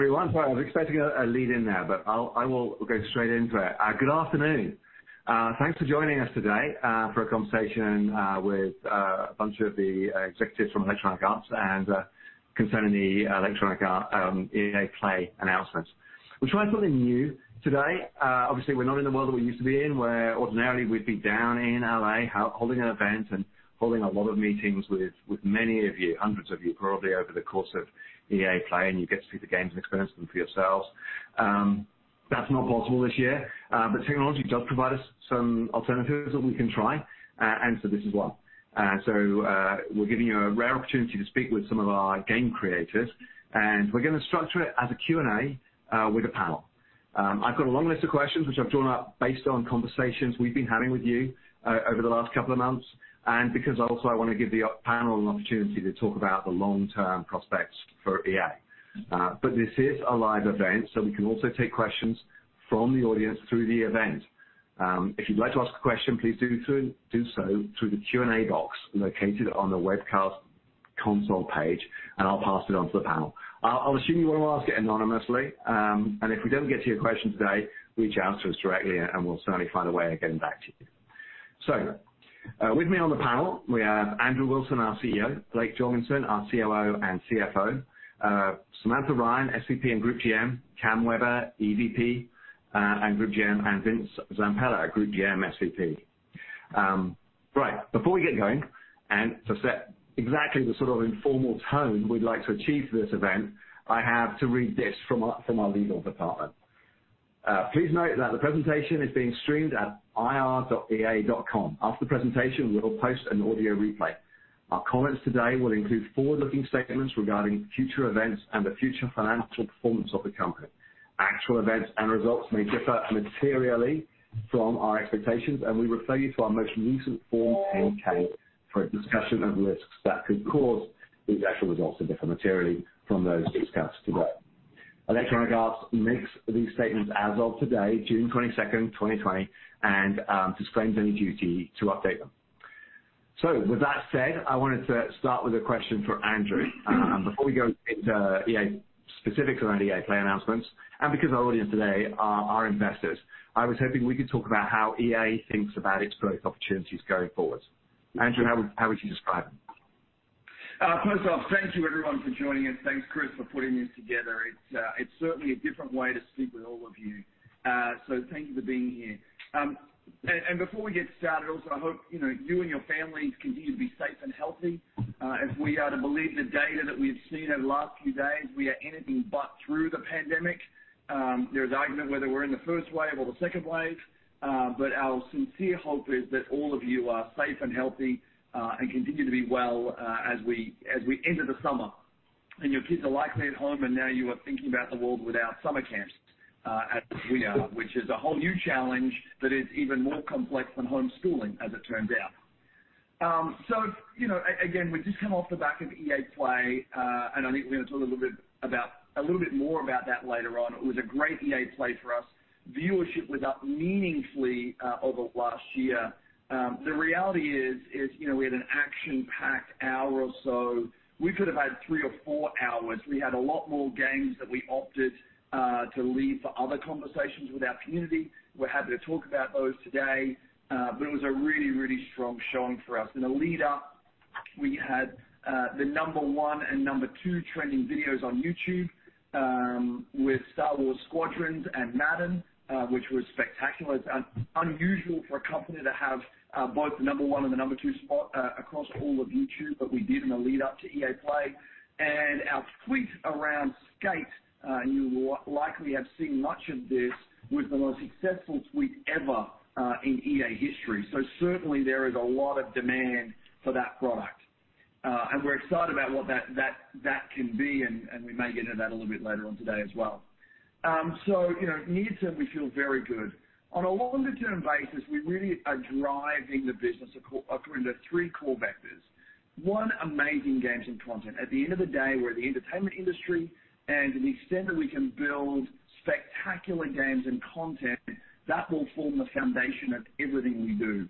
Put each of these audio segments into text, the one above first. Hi, everyone. Sorry, I was expecting a lead in there, but I will go straight into it. Good afternoon. Thanks for joining us today for a conversation with a bunch of the executives from Electronic Arts and concerning the Electronic Arts EA Play announcement. We're trying something new today. Obviously we're not in the world that we used to be in, where ordinarily we'd be down in L.A. holding an event and holding a lot of meetings with many of you, hundreds of you probably over the course of EA Play, and you get to see the games and experience them for yourselves. That's not possible this year, but technology does provide us some alternatives that we can try. This is one. We're giving you a rare opportunity to speak with some of our game creators, and we're gonna structure it as a Q&A with a panel. I've got a long list of questions which I've drawn up based on conversations we've been having with you over the last couple of months, and because also I want to give the panel an opportunity to talk about the long-term prospects for EA. This is a live event, so we can also take questions from the audience through the event. If you'd like to ask a question, please do so through the Q&A box located on the webcast console page, and I'll pass it on to the panel. I'll assume you want to ask it anonymously. If we don't get to your question today, reach out to us directly and we'll certainly find a way of getting back to you. With me on the panel we have Andrew Wilson, our CEO, Blake Jorgensen, our COO and CFO, Samantha Ryan, SVP and Group GM, Cam Weber, EVP, and Group GM, and Vince Zampella, Group GM, SVP. Right, before we get going, and to set exactly the sort of informal tone we'd like to achieve for this event, I have to read this from our legal department. Please note that the presentation is being streamed at ir.ea.com. After the presentation, we will post an audio replay. Our comments today will include forward-looking statements regarding future events and the future financial performance of the company. Actual events and results may differ materially from our expectations, and we refer you to our most recent Form 10-K for a discussion of risks that could cause these actual results to differ materially from those discussed today. Electronic Arts makes these statements as of today, June 22nd, 2020, and disclaims any duty to update them. With that said, I wanted to start with a question for Andrew. Before we go into EA specifics around EA Play announcements, and because our audience today are our investors, I was hoping we could talk about how EA thinks about its growth opportunities going forward. Andrew, how would you describe them? First off, thank you everyone for joining us. Thanks, Chris, for putting this together. It's certainly a different way to speak with all of you. Thank you for being here. Before we get started, also, I hope, you know, you and your families continue to be safe and healthy. If we are to believe the data that we've seen over the last few days, we are anything but through the pandemic. There is argument whether we're in the first wave or the second wave, our sincere hope is that all of you are safe and healthy and continue to be well as we enter the summer. Your kids are likely at home, and now you are thinking about the world without summer camps, as we are, which is a whole new challenge that is even more complex than homeschooling, as it turns out. You know, again, we've just come off the back of EA Play. I think we're gonna talk a little bit more about that later on. It was a great EA Play for us. Viewership was up meaningfully over last year. The reality is, you know, we had an action-packed hour or so. We could have had three or four hours. We had a lot more games that we opted to leave for other conversations with our community. We're happy to talk about those today. It was a really, really strong showing for us. In the lead-up, we had, the number one and number two trending videos on YouTube, with Star Wars: Squadrons and Madden, which was spectacular. It's unusual for a company to have, both the number one and the number two spot, across all of YouTube, but we did in the lead-up to EA Play. Our tweet around Skate, and you will likely have seen much of this, was the most successful tweet ever, in EA history. Certainly there is a lot of demand for that product. We're excited about what that can be and we may get into that a little bit later on today as well. You know, near term, we feel very good. On a longer term basis, we really are driving the business according to three core vectors. One, amazing games and content. At the end of the day, we're the entertainment industry, and to the extent that we can build spectacular games and content, that will form the foundation of everything we do.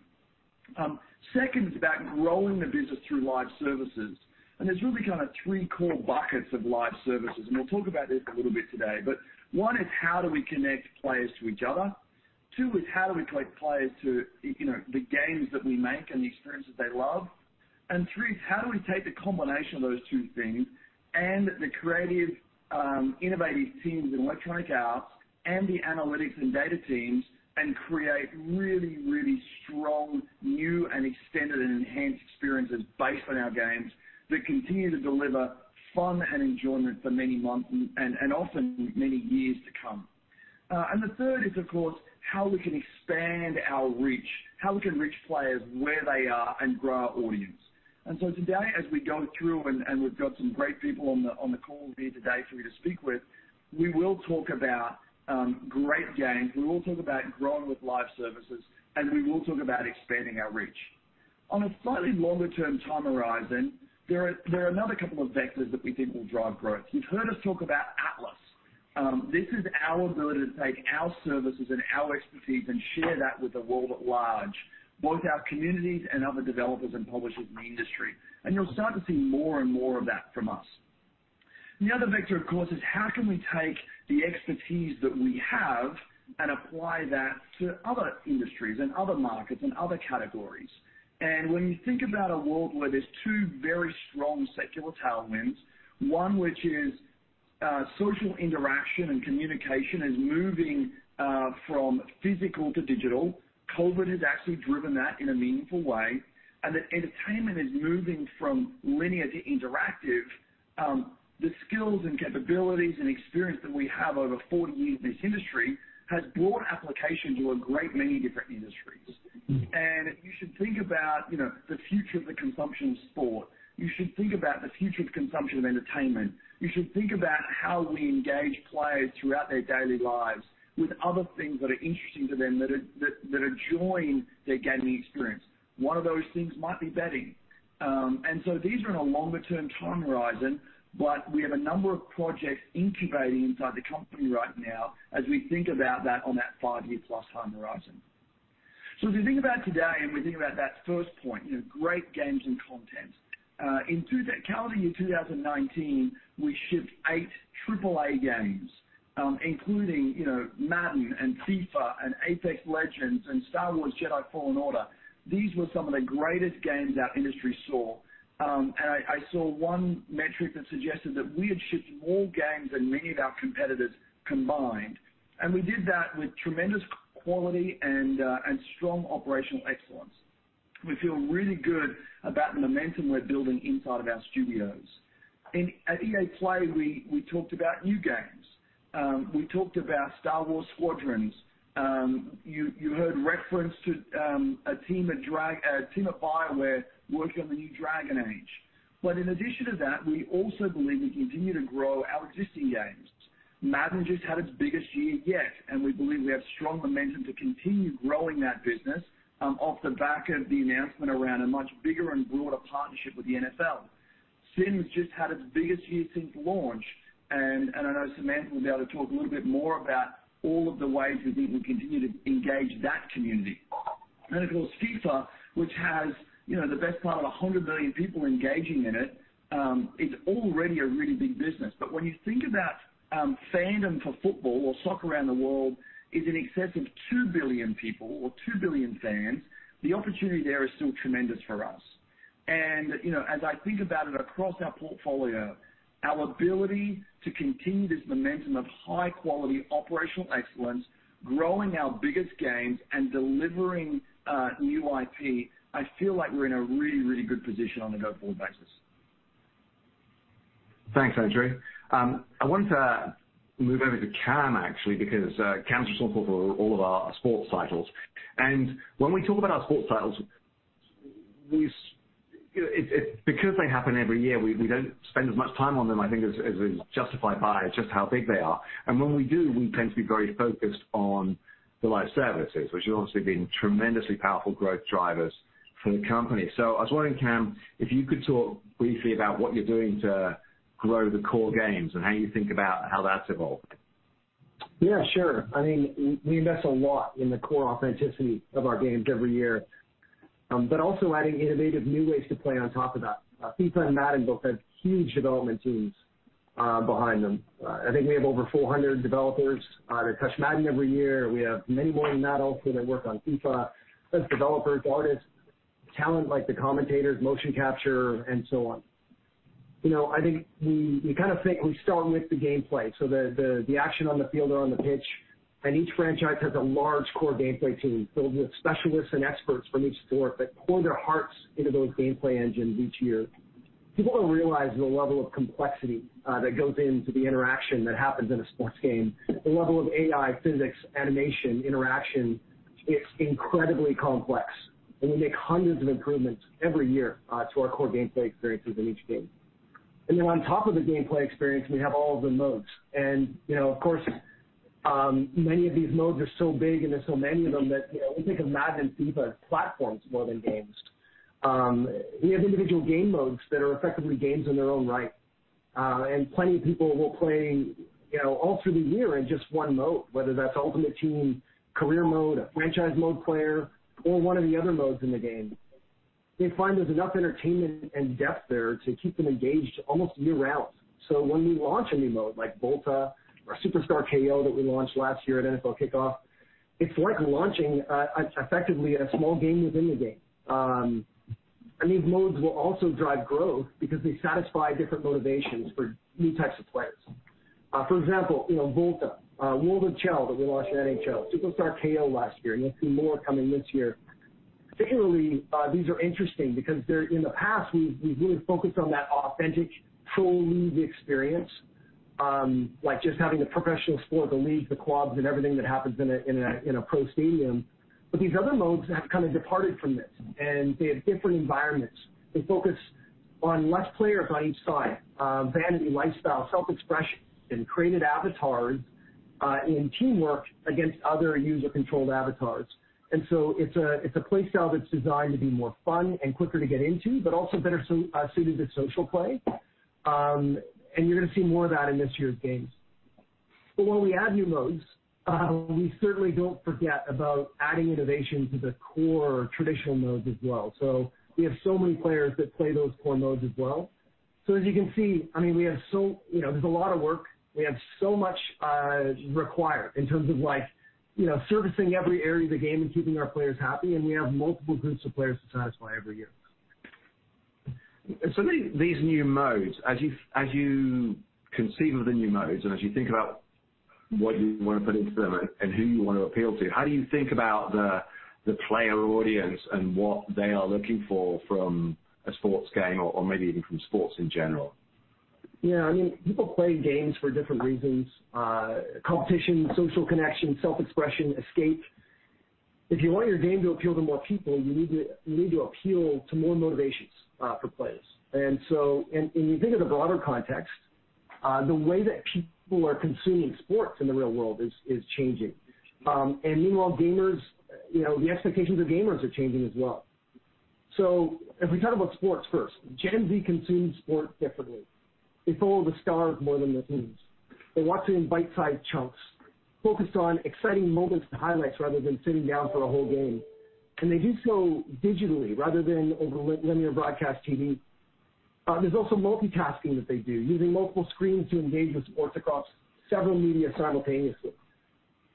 Second is about growing the business through live services, and there's really kind of three core buckets of live services, and we'll talk about this a little bit today. One is how do we connect players to each other? Two is how do we connect players to, you know, the games that we make and the experiences they love? Three is how do we take the combination of those two things and the creative, innovative teams in Electronic Arts and the analytics and data teams and create really, really strong new and extended and enhanced experiences based on our games that continue to deliver fun and enjoyment for many months and often many years to come. The third is, of course, how we can expand our reach, how we can reach players where they are and grow our audience. Today, as we go through and we've got some great people on the call here today for you to speak with, we will talk about great games. We will talk about growing with live services, and we will talk about expanding our reach. On a slightly longer term time horizon, there are another couple of vectors that we think will drive growth. You've heard us talk about Atlas. This is our ability to take our services and our expertise and share that with the world at large, both our communities and other developers and publishers in the industry. You'll start to see more and more of that from us. The other vector, of course, is how can we take the expertise that we have and apply that to other industries and other markets and other categories? When you think about a world where there's two very strong secular tailwinds, one which is social interaction and communication is moving from physical to digital, COVID has actually driven that in a meaningful way, and that entertainment is moving from linear to interactive, the skills and capabilities and experience that we have over 40 years in this industry has broad application to a great many different industries. You should think about, you know, the future of the consumption of sport. You should think about the future of the consumption of entertainment. You should think about how we engage players throughout their daily lives with other things that are interesting to them that are that adjoin their gaming experience. One of those things might be betting. These are in a longer-term time horizon, but we have a number of projects incubating inside the company right now as we think about that on that five-year-plus time horizon. If you think about today and we think about that first point, you know, great games and content, in calendar year 2019, we shipped 8 AAA games, including, you know, Madden and FIFA and Apex Legends and Star Wars Jedi: Fallen Order. These were some of the greatest games our industry saw. I saw one metric that suggested that we had shipped more games than many of our competitors combined, and we did that with tremendous quality and strong operational excellence. We feel really good about the momentum we're building inside of our studios. At EA Play, we talked about new games. We talked about Star Wars: Squadrons. You heard reference to a team at BioWare working on the new Dragon Age. In addition to that, we also believe we continue to grow our existing games. Madden just had its biggest year yet, and we believe we have strong momentum to continue growing that business off the back of the announcement around a much bigger and broader partnership with the NFL. Sims just had its biggest year since launch, and I know Samantha will be able to talk a little bit more about all of the ways we think we continue to engage that community. Of course, FIFA, which has, you know, the best part of 100 million people engaging in it, is already a really big business. When you think about fandom for football or soccer around the world is in excess of 2 billion people or 2 billion fans, the opportunity there is still tremendous for us. You know, as I think about it across our portfolio, our ability to continue this momentum of high quality operational excellence, growing our biggest games, and delivering new IP, I feel like we're in a really, really good position on a go-forward basis. Thanks, Andrew. I wanted to move over to Cam, actually, because Cam's responsible for all of our sports titles. When we talk about our sports titles, you know, because they happen every year, we don't spend as much time on them, I think as is justified by just how big they are. When we do, we tend to be very focused on the live services, which have obviously been tremendously powerful growth drivers for the company. I was wondering, Cam, if you could talk briefly about what you're doing to grow the core games and how you think about how that's evolved. Yeah, sure. I mean, we invest a lot in the core authenticity of our games every year, also adding innovative new ways to play on top of that. FIFA and Madden both have huge development teams behind them. I think we have over 400 developers that touch Madden every year. We have many more than that also that work on FIFA. That's developers, artists, talent like the commentators, motion capture, and so on. You know, I think we kind of think we start with the gameplay, so the action on the field or on the pitch. Each franchise has a large core gameplay team filled with specialists and experts from each sport that pour their hearts into those gameplay engines each year. People don't realize the level of complexity that goes into the interaction that happens in a sports game. The level of AI, physics, animation, interaction, it's incredibly complex. We make hundreds of improvements every year to our core gameplay experiences in each game. On top of the gameplay experience, we have all of the modes. You know, of course, many of these modes are so big and there's so many of them that, you know, we think of Madden, FIFA as platforms more than games. We have individual game modes that are effectively games in their own right. Plenty of people will play, you know, all through the year in just one mode, whether that's Ultimate Team, Career Mode, a Franchise Mode player, or one of the other modes in the game. They find there's enough entertainment and depth there to keep them engaged almost year-round. When we launch a new mode like Volta or Superstar KO that we launched last year at NFL Kickoff, it's like launching effectively a small game within the game. These modes will also drive growth because they satisfy different motivations for new types of players. For example, you know, Volta, World of Chel that we launched at NHL, Superstar KO last year, and you'll see more coming this year. Particularly, these are interesting because they're in the past, we've really focused on that authentic pro league experience, like just having the professional sport, the leagues, the clubs, and everything that happens in a, in a, in a pro stadium. These other modes have kind of departed from this, and they have different environments. They focus on less players on each side, vanity, lifestyle, self-expression, created avatars, in teamwork against other user-controlled avatars. It's a play style that's designed to be more fun and quicker to get into, also better suited to social play. You're gonna see more of that in this year's games. When we add new modes, we certainly don't forget about adding innovation to the core traditional modes as well. We have so many players that play those core modes as well. As you can see, I mean, You know, there's a lot of work. We have so much required in terms of, like, you know, servicing every area of the game and keeping our players happy, we have multiple groups of players to satisfy every year. These new modes, as you conceive of the new modes and as you think about what you want to put into them and who you want to appeal to, how do you think about the player audience and what they are looking for from a sports game or maybe even from sports in general? I mean, people play games for different reasons. Competition, social connection, self-expression, escape. If you want your game to appeal to more people, you need to appeal to more motivations for players. You think of the broader context, and the way that people are consuming sports in the real world is changing. Meanwhile gamers, you know, the expectations of gamers are changing as well. If we talk about sports first, Gen Z consumes sports differently. They follow the stars more than the teams. They watch it in bite-sized chunks, focused on exciting moments and highlights rather than sitting down for a whole game. They do so digitally rather than over linear broadcast TV. There's also multitasking that they do, using multiple screens to engage with sports across several media simultaneously.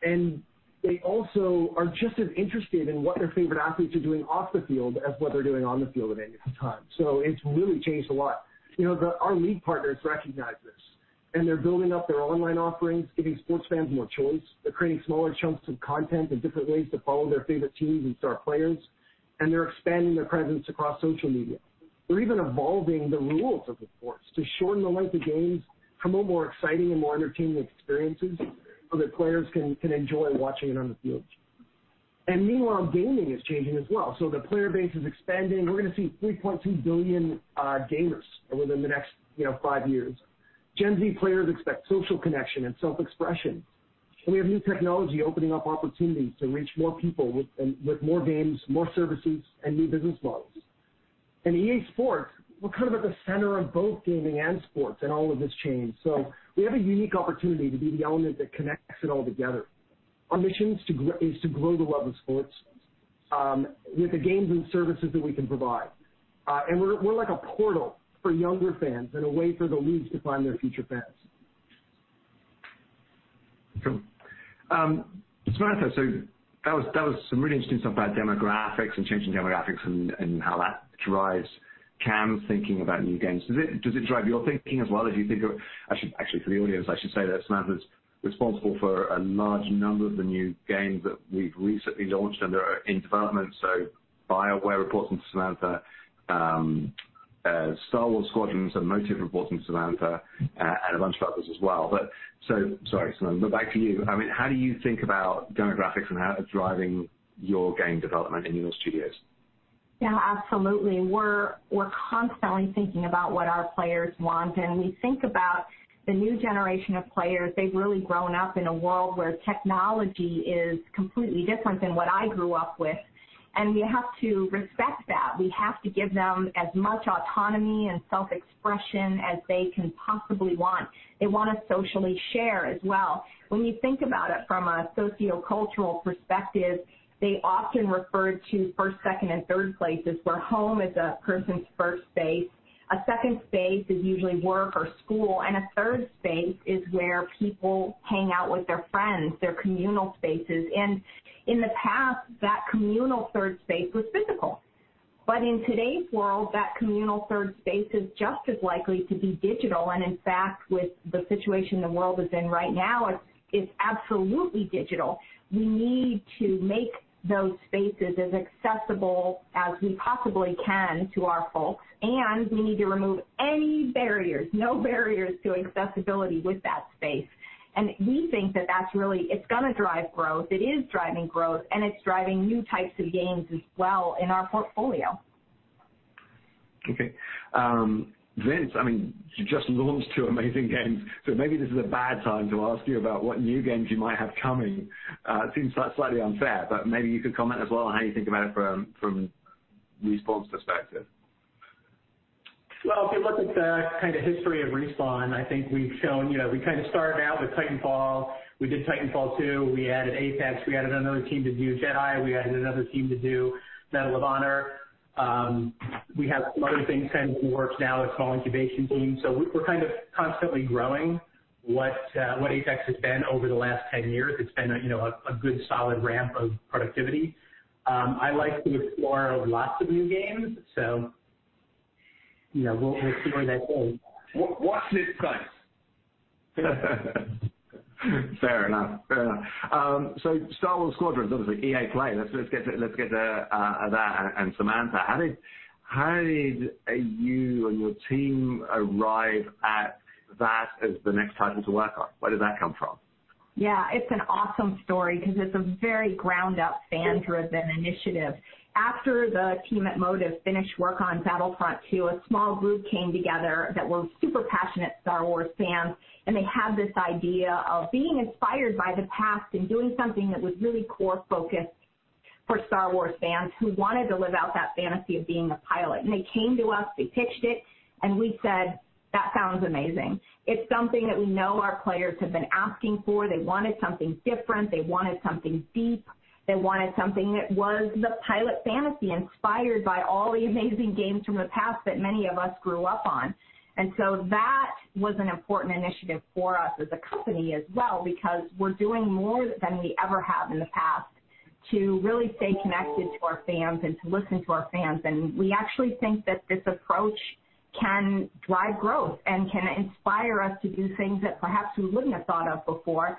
They also are just as interested in what their favorite athletes are doing off the field as what they're doing on the field at any given time. It's really changed a lot. You know, our league partners recognize this, they're building up their online offerings, giving sports fans more choice. They're creating smaller chunks of content and different ways to follow their favorite teams and star players, they're expanding their presence across social media. They're even evolving the rules of the sports to shorten the length of games, promote more exciting and more entertaining experiences so that players can enjoy watching it on the field. Meanwhile, gaming is changing as well. The player base is expanding. We're gonna see 3.2 billion gamers within the next, you know, five years. Gen Z players expect social connection and self-expression, and we have new technology opening up opportunities to reach more people with more games, more services, and new business models. EA Sports, we're kind of at the center of both gaming and sports in all of this change, so we have a unique opportunity to be the element that connects it all together. Our mission is to grow the love of sports with the games and services that we can provide. We're like a portal for younger fans and a way for the leagues to find their future fans. Sure. Samantha, that was some really interesting stuff about demographics and changing demographics and how that drives Cam's thinking about new games. Actually, for the audience, I should say that Samantha's responsible for a large number of the new games that we've recently launched and that are in development. BioWare reports into Samantha. Star Wars: Squadrons and Motive reports into Samantha, and a bunch of others as well. Sorry, Samantha, but back to you. I mean, how do you think about demographics and how they're driving your game development in your studios? Yeah, absolutely. We're constantly thinking about what our players want, and we think about the new generation of players. They've really grown up in a world where technology is completely different than what I grew up with, and we have to respect that. We have to give them as much autonomy and self-expression as they can possibly want. They wanna socially share as well. When we think about it from a sociocultural perspective, they often referred to first, second, and third places, where home is a person's first space. A second space is usually work or school, and a third space is where people hang out with their friends, their communal spaces. In the past, that communal third space was physical. In today's world, that communal third space is just as likely to be digital, and in fact, with the situation the world is in right now, it's absolutely digital. We need to make those spaces as accessible as we possibly can to our folks, We need to remove any barriers, no barriers to accessibility with that space. We think It's gonna drive growth, it is driving growth, It's driving new types of games as well in our portfolio. Okay. Vince, I mean, you just launched two amazing games. Maybe this is a bad time to ask you about what new games you might have coming. It seems slightly unfair. Maybe you could comment as well on how you think about it from Respawn's perspective. Well, if you look at the kind of history of Respawn, I think we've shown, you know, we kind of started out with Titanfall. We did Titanfall 2. We added Apex. We added another team to do Jedi. We added another team to do Medal of Honor. We have some other things kind of in the works now. It's called Incubation Team. We're kind of constantly growing what Apex has been over the last 10 years. It's been a, you know, a good solid ramp of productivity. I like to explore lots of new games, you know, we'll see where that goes. Watch this space. Fair enough. Fair enough. Star Wars: Squadrons, obviously EA Play. Let's get to that and Samantha. How did you and your team arrive at that as the next title to work on? Where did that come from? It's an awesome story because it's a very ground-up, fan-driven initiative. After the team at Motive finished work on Battlefront II, a small group came together that were super passionate Star Wars fans. They had this idea of being inspired by the past and doing something that was really core-focused for Star Wars fans who wanted to live out that fantasy of being a pilot. They came to us, they pitched it, and we said, "That sounds amazing." It's something that we know our players have been asking for. They wanted something different. They wanted something deep. They wanted something that was the pilot fantasy inspired by all the amazing games from the past that many of us grew up on. That was an important initiative for us as a company as well because we're doing more than we ever have in the past to really stay connected to our fans and to listen to our fans. We actually think that this approach can drive growth and can inspire us to do things that perhaps we wouldn't have thought of before.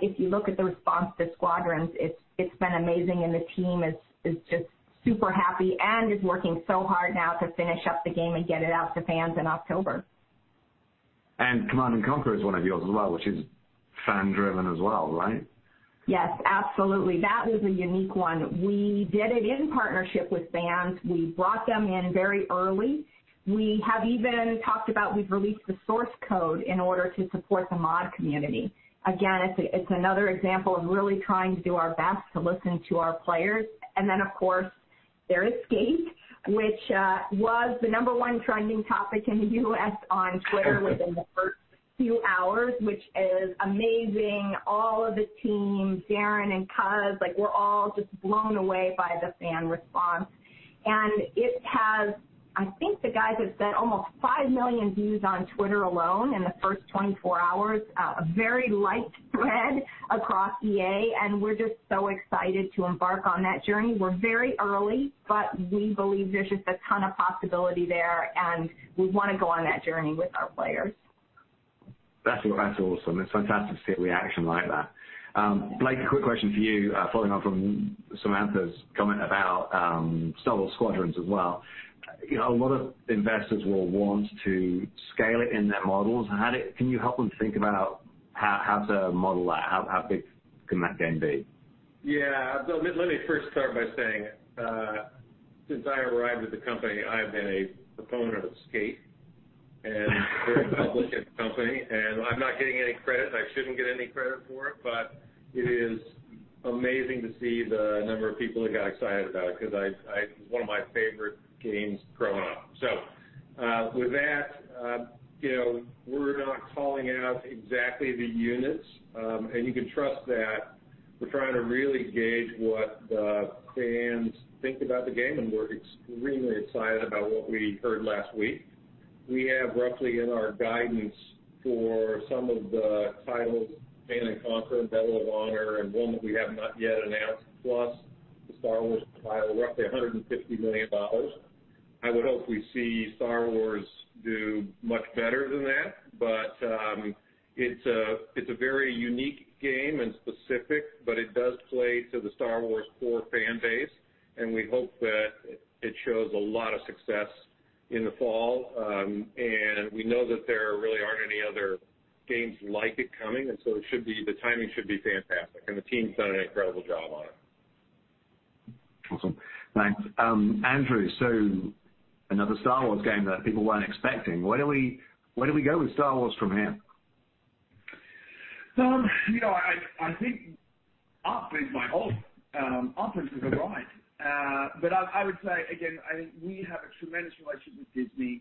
If you look at the response to Squadrons, it's been amazing and the team is just super happy and is working so hard now to finish up the game and get it out to fans in October. Command & Conquer is one of yours as well, which is fan-driven as well, right? Yes, absolutely. That was a unique one. We did it in partnership with fans. We brought them in very early. We have even talked about we've released the source code in order to support the mod community. Again, it's another example of really trying to do our best to listen to our players. Of course, there is Skate, which was the number one trending topic in the U.S. on X within the first few hours, which is amazing. All of the team, Deran and Cuz, like we're all just blown away by the fan response. I think the guys have said almost 5 million views on X alone in the first 24 hours. A very light thread across EA, we're just so excited to embark on that journey. We're very early, but we believe there's just a ton of possibility there, and we want to go on that journey with our players. That's awesome. It's fantastic to see a reaction like that. Blake, a quick question for you, following on from Samantha's comment about Star Wars: Squadrons as well. You know, a lot of investors will want to scale it in their models. Can you help them think about how to model that? How big can that game be? Let me first start by saying, since I arrived at the company, I've been a proponent of Skate. We're a public company, I'm not getting any credit and I shouldn't get any credit for it is amazing to see the number of people that got excited about it because it was one of my favorite games growing up. With that, you know, we're not calling out exactly the units. You can trust that we're trying to really gauge what the fans think about the game, we're extremely excited about what we heard last week. We have roughly in our guidance for some of the titles, Command & Conquer, Medal of Honor, and one that we have not yet announced, plus the Star Wars title, roughly $150 million. I would hope we see Star Wars do much better than that. It's a very unique game and specific, but it does play to the Star Wars core fan base, and we hope that it shows a lot of success in the fall. We know that there really aren't any other games like it coming, the timing should be fantastic. The team's done an incredible job on it. Awesome. Thanks. Andrew, another Star Wars game that people weren't expecting. Where do we go with Star Wars from here? you know, I think up is my only up and to the right. I would say, again, I think we have a tremendous relationship with Disney.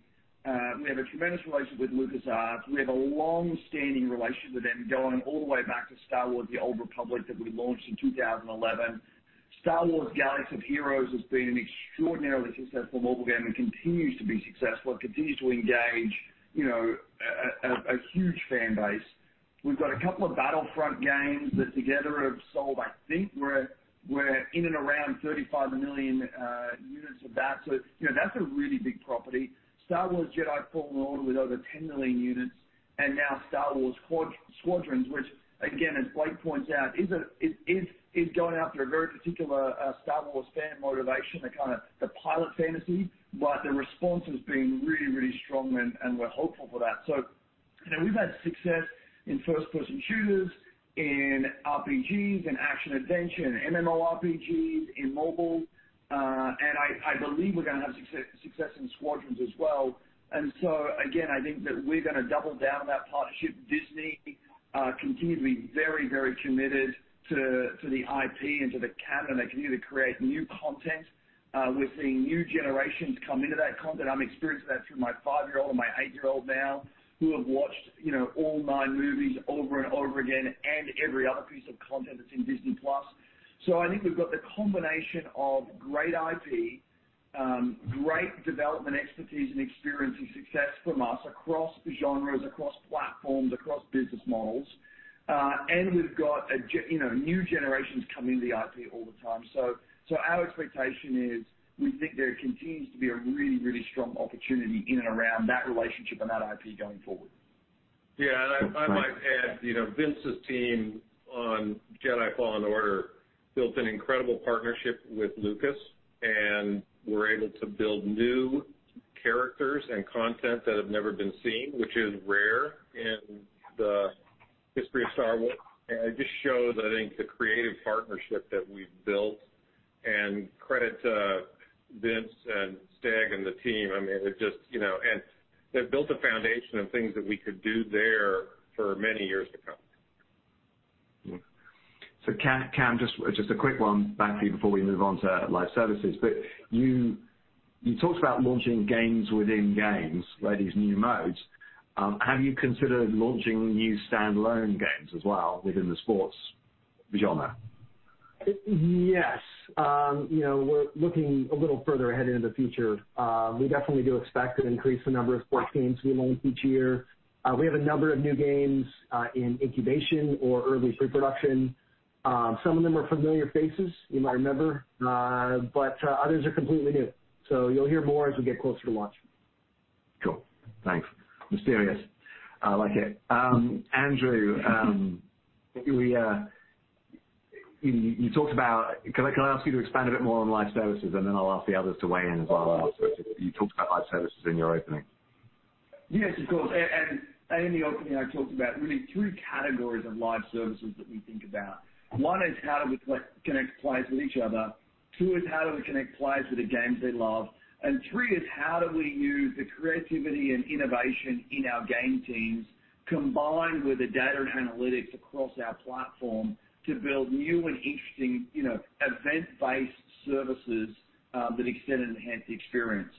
We have a tremendous relationship with Lucasfilm. We have a long-standing relationship with them going all the way back to Star Wars: The Old Republic that we launched in 2011. Star Wars: Galaxy of Heroes has been an extraordinarily successful mobile game and continues to be successful. It continues to engage, you know, a huge fan base. We've got a couple of Battlefront games that together have sold, I think we're in and around 35 million units of that. That's a really big property. Star Wars Jedi: Fallen Order with over 10 million units, now Star Wars: Squadrons, which again, as Blake points out, is going after a very particular Star Wars fan motivation, the kind of the pilot fantasy. The response has been really, really strong and we're hopeful for that. You know, we've had success in first-person shooters, in RPGs, in action-adventure, in MMORPGs, in mobile. I believe we're gonna have success in Squadrons as well. Again, I think that we're gonna double down that partnership. Disney continues to be very, very committed to the IP and to the canon. They continue to create new content. We're seeing new generations come into that content. I'm experiencing that through my five-year-old and my eight-year-old now who have watched, you know, all nine movies over and over again and every other piece of content that's in Disney+. I think we've got the combination of great IP, great development expertise and experience and success from us across genres, across platforms, across business models. We've got you know, new generations coming to the IP all the time. Our expectation is we think there continues to be a really, really strong opportunity in and around that relationship and that IP going forward. Yeah. Thanks, Blake. I might add, you know, Vince's team on Jedi: Fallen Order built an incredible partnership with Lucas, we're able to build new characters and content that have never been seen, which is rare in the History of Star Wars. It just shows, I think, the creative partnership that we've built and credit to Vince and Stig and the team. I mean, it just, you know, they've built a foundation of things that we could do there for many years to come. Cam, just a quick one back to you before we move on to live services. You talked about launching games within games, like these new modes. Have you considered launching new standalone games as well within the sports genre? Yes. You know, we're looking a little further ahead into the future. We definitely do expect to increase the number of sports games we launch each year. We have a number of new games in incubation or early pre-production. Some of them are familiar faces you might remember, but others are completely new. You'll hear more as we get closer to launch. Cool, thanks. Mysterious. I like it. Andrew, can I ask you to expand a bit more on live services, and then I'll ask the others to weigh in as well? You talked about live services in your opening. Yes, of course. In the opening, I talked about really three categories of live services that we think about. One is how do we connect players with each other. Two is how do we connect players with the games they love. Three is how do we use the creativity and innovation in our game teams, combined with the data and analytics across our platform to build new and interesting, you know, event-based services that extend and enhance the experience.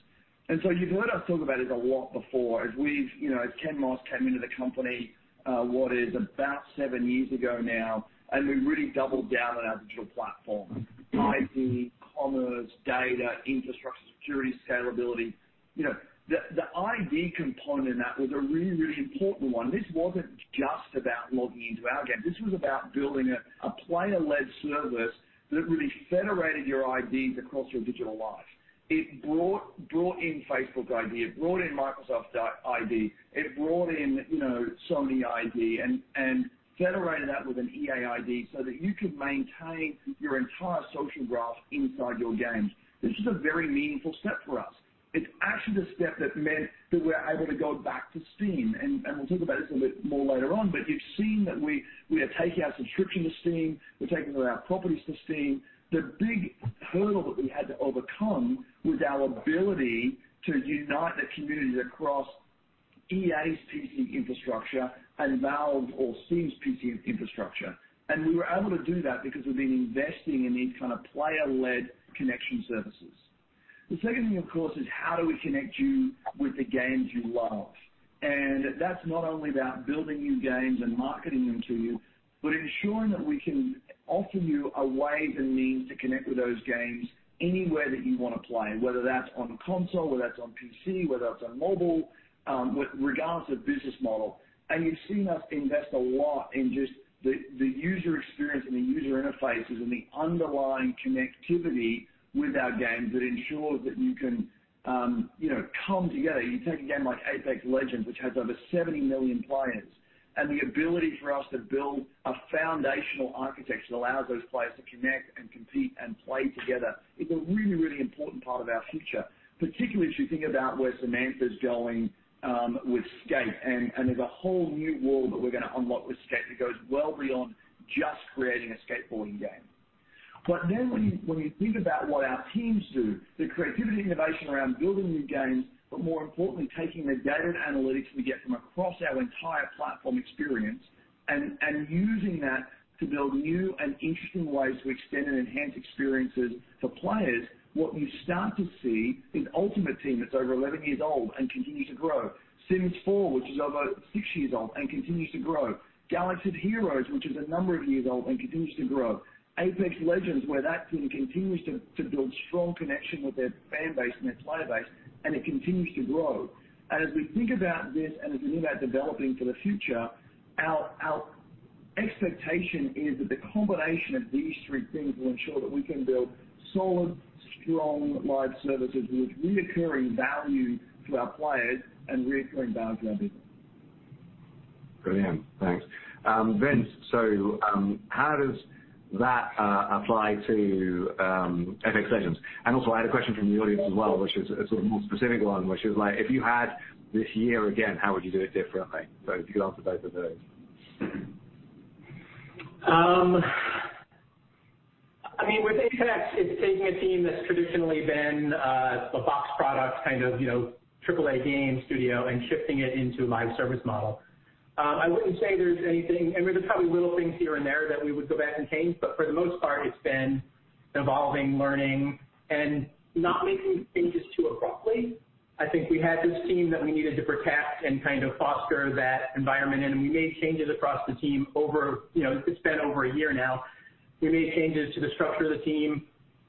You've heard us talk about this a lot before. As we've, you know, as Cam came into the company, what is about seven years ago now, and we've really doubled down on our digital platform, ID, commerce, data, infrastructure, security, scalability. You know, the ID component in that was a really important one. This wasn't just about logging into our game. This was about building a player-led service that really federated your IDs across your digital life. It brought in Facebook ID, it brought in Microsoft ID, it brought in, you know, Sony ID and federated that with an EA ID so that you could maintain your entire social graph inside your games. This was a very meaningful step for us. It's actually the step that meant that we're able to go back to Steam, and we'll talk about this a bit more later on, you've seen that we are taking our subscription to Steam. We're taking our properties to Steam. The big hurdle that we had to overcome was our ability to unite the communities across EA's PC infrastructure and Valve's or Steam's PC infrastructure. We were able to do that because we've been investing in these kind of player-led connection services. The second thing, of course, is how do we connect you with the games you love? That's not only about building new games and marketing them to you, but ensuring that we can offer you a way and means to connect with those games anywhere that you want to play, whether that's on console, whether that's on PC, whether that's on mobile, regardless of business model. You've seen us invest a lot in just the user experience and the user interfaces and the underlying connectivity with our games that ensures that you can, you know, come together. You take a game like Apex Legends, which has over 70 million players, and the ability for us to build a foundational architecture that allows those players to connect and compete and play together is a really, really important part of our future, particularly as you think about where Samantha's going with Skate. There's a whole new world that we're going to unlock with Skate that goes well beyond just creating a skateboarding game. When you think about what our teams do, the creativity and innovation around building new games, but more importantly, taking the data and analytics we get from across our entire platform experience and using that to build new and interesting ways to extend and enhance experiences for players. What you start to see is Ultimate Team that's over 11 years old and continues to grow. Sims 4, which is over six years old and continues to grow. Galaxy of Heroes, which is a number of years old and continues to grow. Apex Legends, where that team continues to build strong connection with their fan base and their player base, and it continues to grow. As we think about this and as we think about developing for the future, our expectation is that the combination of these three things will ensure that we can build solid, strong live services with reoccurring value to our players and reoccurring value to our business. Brilliant. Thanks. Vince, so how does that apply to Apex Legends? Also I had a question from the audience as well, which is a sort of more specific one, which is like, if you had this year again, how would you do it differently? If you could answer both of those. I mean, with Apex, it's taking a team that's traditionally been a box product kind of, you know, AAA game studio and shifting it into a live service model. I wouldn't say there's anything I mean, there's probably little things here and there that we would go back and change, but for the most part, it's been evolving, learning and not making changes too abruptly. I think we had this team that we needed to protect and kind of foster that environment in. We made changes across the team over, you know, it's been over a year now. We made changes to the structure of the team,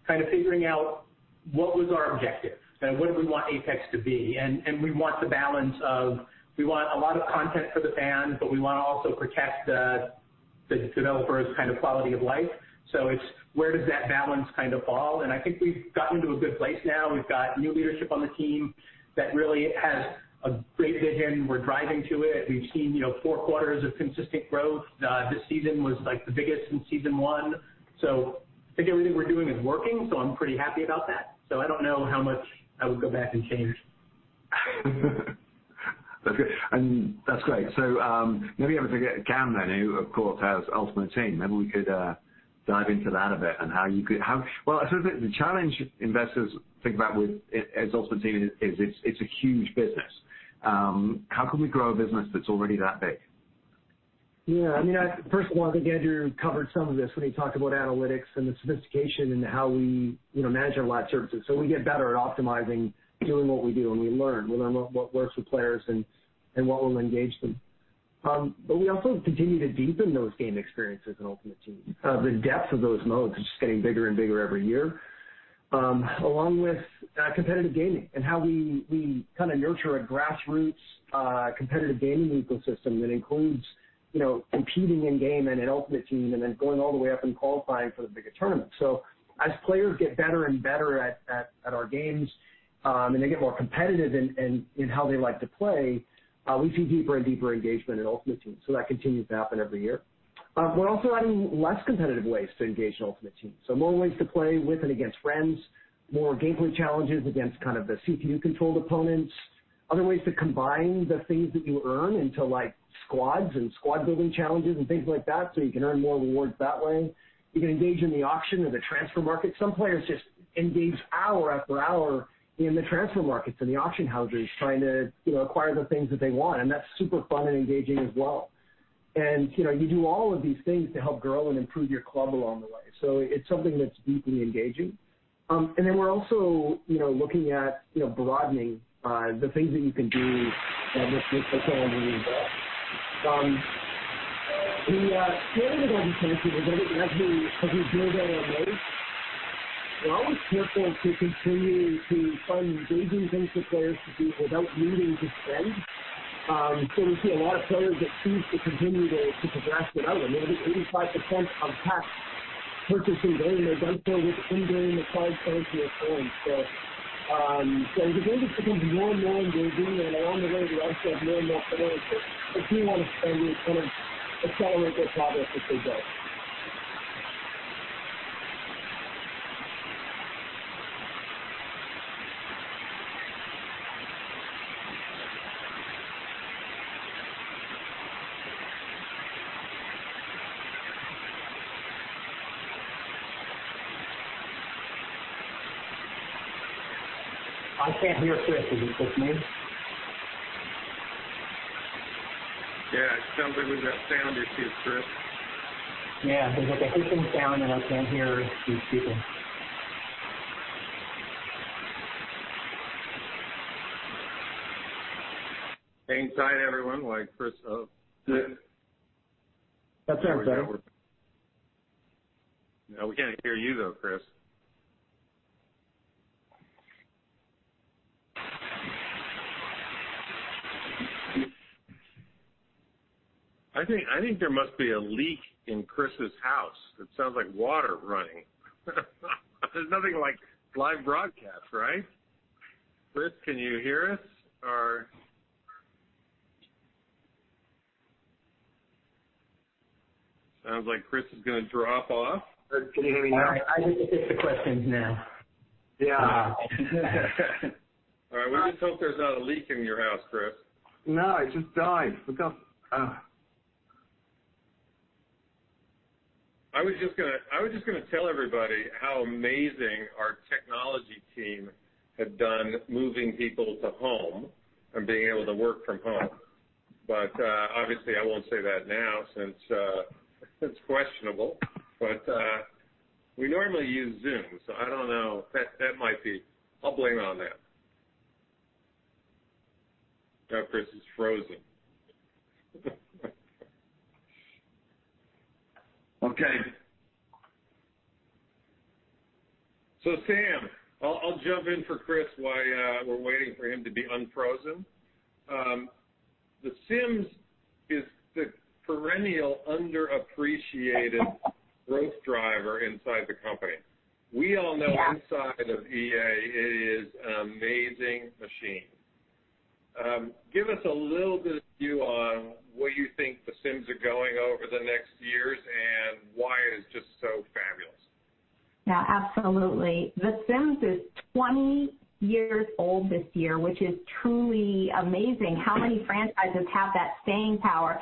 kind of figuring out what was our objective and what do we want Apex to be. We want the balance of we want a lot of content for the fans, but we want to also protect the developers' kind of quality of life. It's where does that balance kind of fall? I think we've gotten to a good place now. We've got new leadership on the team that really has a great vision. We're driving to it. We've seen, you know, four quarters of consistent growth. This season was, like, the biggest since season one. I think everything we're doing is working, so I'm pretty happy about that. I don't know how much I would go back and change. That's good. That's great. maybe if we could get Cam then, who of course has Ultimate Team, maybe we could dive into that a bit and well, the challenge investors think about with it as Ultimate Team is it's a huge business. How can we grow a business that's already that big? Yeah. I mean, I first of all think Andrew covered some of this when he talked about analytics and the sophistication in how we, you know, manage our live services. We get better at optimizing doing what we do, and we learn. We learn what works for players and what will engage them. We also continue to deepen those game experiences in Ultimate Team. The depth of those modes is just getting bigger and bigger every year along with competitive gaming and how we kind of nurture a grassroots competitive gaming ecosystem that includes, you know, competing in game and in Ultimate Team and then going all the way up and qualifying for the bigger tournament. As players get better and better at our games, and they get more competitive in how they like to play, we see deeper and deeper engagement in Ultimate Team. That continues to happen every year. We're also adding less competitive ways to engage in Ultimate Team. More ways to play with and against friends, more gameplay challenges against kind of the CPU-controlled opponents. Other ways to combine the things that you earn into like squads and squad-building challenges and things like that, so you can earn more rewards that way. You can engage in the auction or the transfer market. Some players just engage hour after hour in the transfer markets and the auction houses trying to, you know, acquire the things that they want, and that's super fun and engaging as well. You know, you do all of these things to help grow and improve your club along the way. It's something that's deeply engaging. We're also, you know, looking at, you know, broadening the things that you can do as you progress. The scale of the game is fantastic, but as we build out our modes, we're always careful to continue to find engaging things for players to do without needing to spend. We see a lot of players that choose to continue to progress without. I mean, 85% of packs purchasing players, they've done so with in-game acquired coins or points. The game just becomes more and more engaging and along the way we also have more and more players that do want to spend and kind of accelerate their progress if they do. I can't hear Chris. Is it just me? Yeah, it sounds like we've got sound issues, Chris. Yeah. There's like a hissing sound and I can't hear these people. Hang tight, everyone, while Chris. That's everything. We can't hear you though, Chris. I think there must be a leak in Chris' house. It sounds like water running. There's nothing like live broadcast, right? Chris, can you hear us? Sounds like Chris is gonna drop off. Chris, can you hear me now? All right. I have to take the questions now. Yeah. All right. We just hope there's not a leak in your house, Chris. No, it just died. We got Ugh. I was just gonna tell everybody how amazing our technology team have done moving people to home and being able to work from home. Obviously I won't say that now since it's questionable. We normally use Zoom, so I don't know. That might be. I'll blame it on that. Now Chris is frozen. Okay. So Sam, I'll jump in for Chris while we're waiting for him to be unfrozen. The Sims is the perennial underappreciated growth driver inside the company. We all know. Yeah. Inside of EA it is an amazing machine. Give us a little bit of view on where you think The Sims are going over the next years and why it is just so fabulous? Yeah, absolutely. The Sims is 20 years old this year, which is truly amazing. How many franchises have that staying power?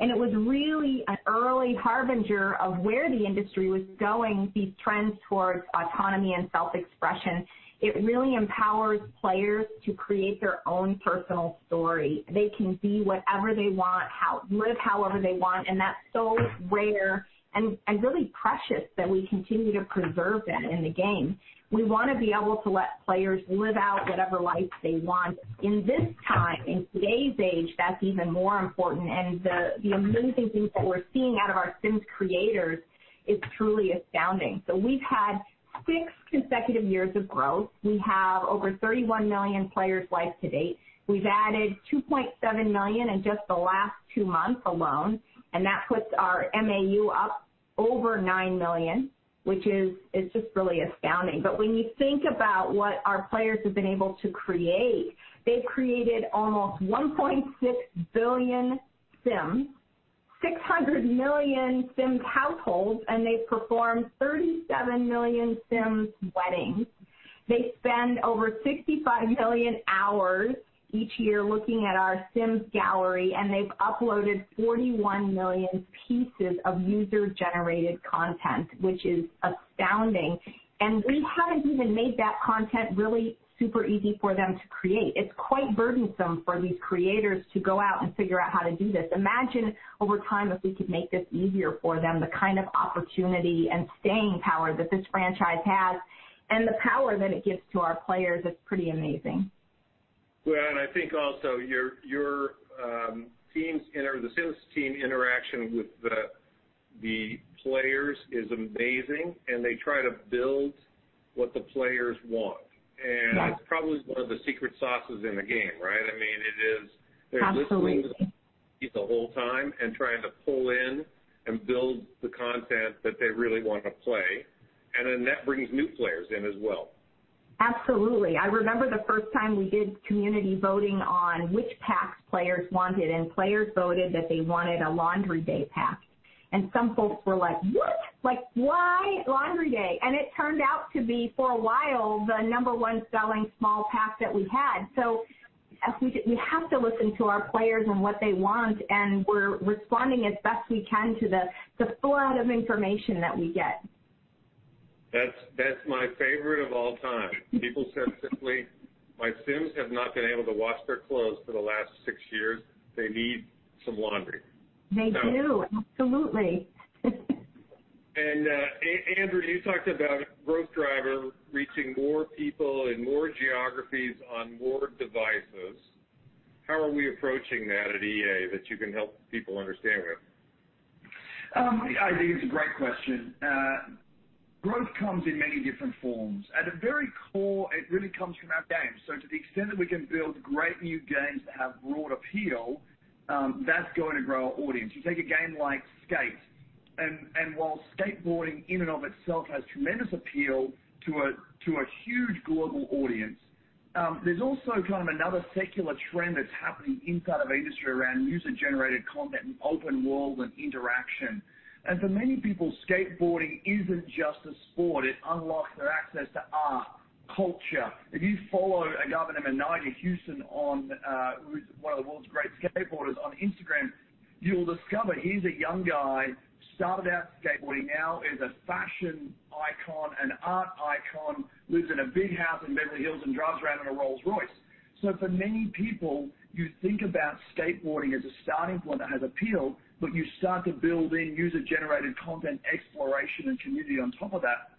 It was really an early harbinger of where the industry was going, these trends towards autonomy and self-expression. It really empowers players to create their own personal story. They can be whatever they want, live however they want, and that's so rare and really precious that we continue to preserve that in the game. We wanna be able to let players live out whatever life they want. In this time, in today's age, that's even more important. The amazing things that we're seeing out of our Sims creators is truly astounding. We've had six consecutive years of growth. We have over 31 million players life to date. We've added 2.7 million in just the last two months alone. That puts our MAU up over 9 million, which is just really astounding. When you think about what our players have been able to create, they've created almost 1.6 billion Sims. 600 million Sims households, and they perform 37 million Sims weddings. They spend over 65 million hours each year looking at our Sims Gallery, and they've uploaded 41 million pieces of user-generated content, which is astounding. We haven't even made that content really super easy for them to create. It's quite burdensome for these creators to go out and figure out how to do this. Imagine over time, if we could make this easier for them, the kind of opportunity and staying power that this franchise has and the power that it gives to our players is pretty amazing. I think also The Sims team interaction with the players is amazing, and they try to build what the players want. Yeah. That's probably one of the secret sauces in the game, right? I mean, it is. Absolutely. They're listening to the whole time and trying to pull in and build the content that they really want to play, and then that brings new players in as well. Absolutely. I remember the first time we did community voting on which packs players wanted, and players voted that they wanted a Laundry Day pack. Some folks were like, "What?" Like, "Why Laundry Day?" It turned out to be, for a while, the number one selling small pack that we had. As we do, we have to listen to our players and what they want, and we're responding as best we can to the flood of information that we get. That's my favorite of all time. People said simply, "My Sims have not been able to wash their clothes for the last six years. They need some laundry. They do. Absolutely. Andrew, you talked about growth driver reaching more people in more geographies on more devices. How are we approaching that at EA that you can help people understand with? I think it's a great question. Growth comes in many different forms. At the very core, it really comes from our games. To the extent that we can build great new games that have broad appeal, that's going to grow our audience. You take a game like Skate, and while skateboarding in and of itself has tremendous appeal to a, to a huge global audience, there's also kind of another secular trend that's happening inside of our industry around user-generated content and open world and interaction. For many people, skateboarding isn't just a sport, it unlocks their access to art, culture. If you follow a guy by the name of Nyjah Huston on, who's one of the world's great skateboarders, on Instagram, you'll discover he's a young guy, started out skateboarding, now is a fashion icon, an art icon, lives in a big house in Beverly Hills and drives around in a Rolls-Royce. For many people, you think about skateboarding as a starting point that has appeal, but you start to build in user-generated content, exploration, and community on top of that,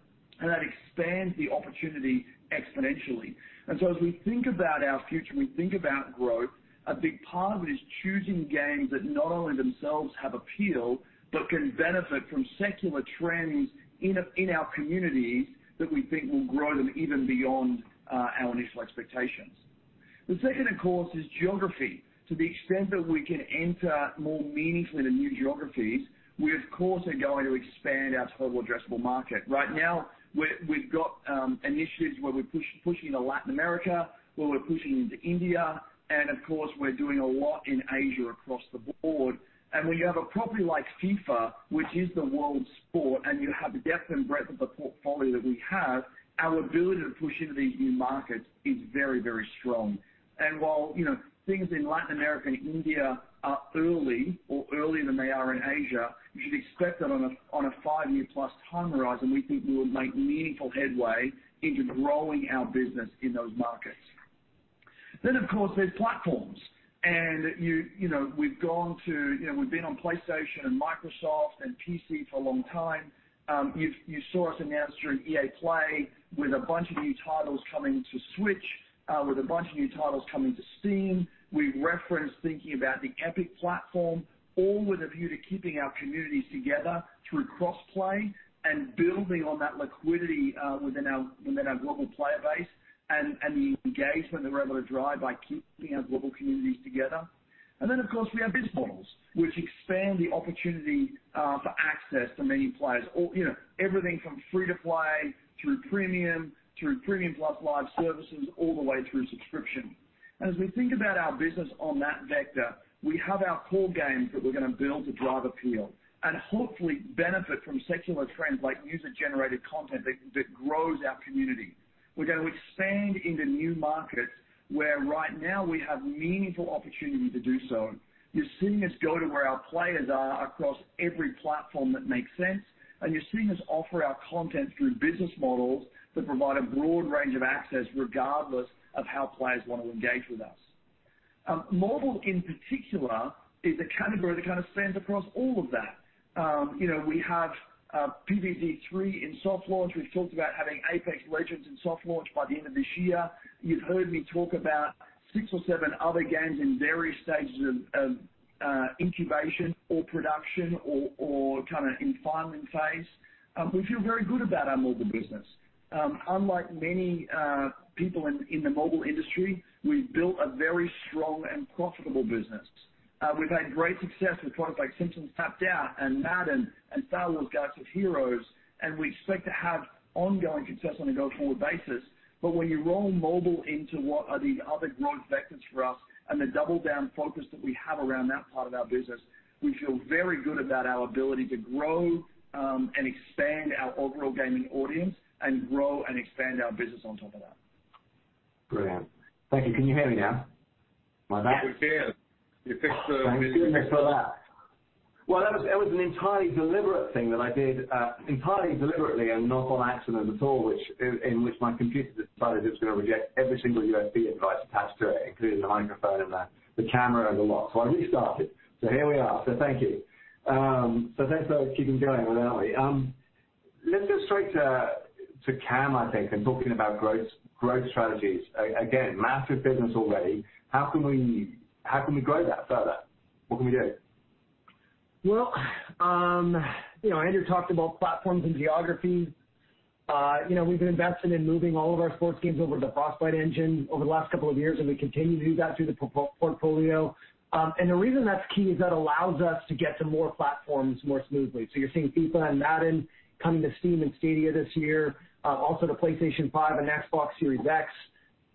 and that expands the opportunity exponentially. As we think about our future, we think about growth, a big part of it is choosing games that not only themselves have appeal, but can benefit from secular trends in a, in our communities that we think will grow them even beyond our initial expectations. The second, of course, is geography. To the extent that we can enter more meaningfully into new geographies, we of course, are going to expand our total addressable market. Right now, we've got initiatives where we're pushing to Latin America, where we're pushing into India, and of course, we're doing a lot in Asia across the board. When you have a property like FIFA, which is the world sport, and you have the depth and breadth of the portfolio that we have, our ability to push into these new markets is very, very strong. While, you know, things in Latin America and India are early or earlier than they are in Asia, you should expect that on a five-year plus time horizon, we think we would make meaningful headway into growing our business in those markets. Of course, there's platforms. You, you know, we've gone to, you know, we've been on PlayStation and Microsoft and PC for a long time. You saw us announce during EA Play with a bunch of new titles coming to Switch, with a bunch of new titles coming to Steam. We referenced thinking about the Epic platform, all with a view to keeping our communities together through cross-play and building on that liquidity within our global player base and the engagement that we're able to drive by keeping our global communities together. Of course, we have business models which expand the opportunity for access to many players. All, you know, everything from free to play through premium, through premium plus live services, all the way through subscription. As we think about our business on that vector, we have our core games that we're gonna build to drive appeal and hopefully benefit from secular trends like user-generated content that grows our community. We're gonna expand into new markets where right now we have meaningful opportunity to do so. You're seeing us go to where our players are across every platform that makes sense, and you're seeing us offer our content through business models that provide a broad range of access regardless of how players want to engage with us. Mobile in particular is a category that kind of spans across all of that. You know, we have PvZ 3 in soft launch. We've talked about having Apex Legends in soft launch by the end of this year. You've heard me talk about six or seven other games in various stages of incubation or production or kind of in filing phase. We feel very good about our mobile business. Unlike many people in the mobile industry, we've built a very strong and profitable business. We've had great success with products like The Simpsons: Tapped Out and Madden NFL and Star Wars: Galaxy of Heroes, and we expect to have ongoing success on a go-forward basis. When you roll mobile into what are the other growth vectors for us and the double-down focus that we have around that part of our business, we feel very good about our ability to grow and expand our overall gaming audience and grow and expand our business on top of that. Brilliant. Thank you. Can you hear me now? Am I back? Yes, we can. You fixed the- Thank goodness for that. Well, that was an entirely deliberate thing that I did entirely deliberately and not on accident at all, which in which my computer decided it was gonna reject every single USB device attached to it, including the microphone and the camera and the lot. I restarted. Here we are. Thank you. Let's keep going, shall we? Let's go straight to Cam, I think, and talking about growth strategies. Again, massive business already. How can we grow that further? What can we do? Well, you know, Andrew talked about platforms and geography. You know, we've been investing in moving all of our sports games over to the Frostbite engine over the last couple of years, and we continue to do that through the portfolio. The reason that's key is that allows us to get to more platforms more smoothly. You're seeing FIFA and Madden coming to Steam and Stadia this year, also to PlayStation 5 and Xbox Series X.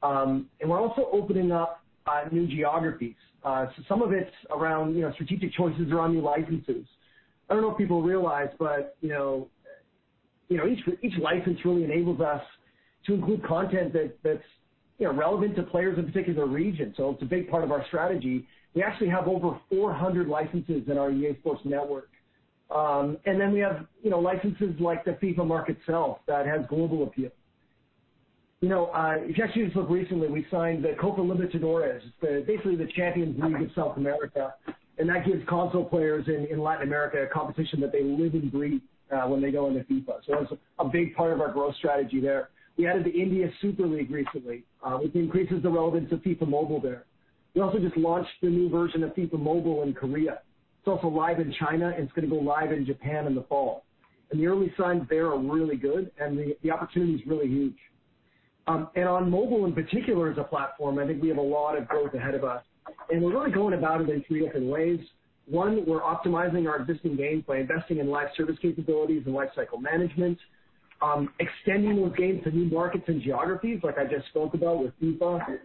We're also opening up new geographies. Some of it's around, you know, strategic choices around new licenses. I don't know if people realize, but, you know, each license really enables us to include content that's, you know, relevant to players in particular regions. It's a big part of our strategy. We actually have over 400 licenses in our EA Sports network. We have, you know, licenses like the FIFA mark itself that has global appeal. You know, if you actually just look recently, we signed the Copa Libertadores, basically the Champions League of South America, and that gives console players in Latin America a competition that they live and breathe when they go into FIFA. That's a big part of our growth strategy there. We added the Indian Super League recently, which increases the relevance of FIFA Mobile there. We also just launched the new version of FIFA Mobile in Korea. It's also live in China, and it's gonna go live in Japan in the fall. The early signs there are really good, and the opportunity is really huge. On mobile in particular as a platform, I think we have a lot of growth ahead of us, and we're really going about it in three different ways. One, we're optimizing our existing games by investing in live service capabilities and lifecycle management, extending those games to new markets and geographies, like I just spoke about with FIFA.